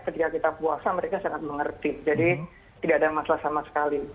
ketika kita puasa mereka sangat mengerti jadi tidak ada masalah sama sekali